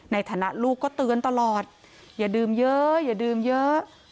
ในฐานะลูกก็เตือนตลอดอย่าดื่มเยอะอย่าดื่มเยอะ